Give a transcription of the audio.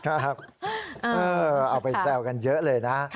ครับเออเอาไปแซวกันเยอะเลยนะ